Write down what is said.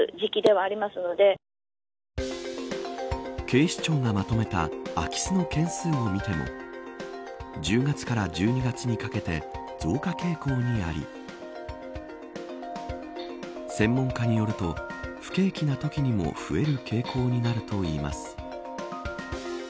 警視庁がまとめた空き巣の件数を見ても１０月から１２月にかけて増加傾向にあり専門家によると不景気なときにも増える傾向になるといいます。